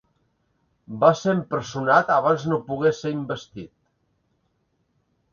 Va ser empresonat abans no pogués ser investit.